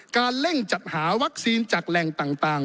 เร่งจัดหาวัคซีนจากแหล่งต่าง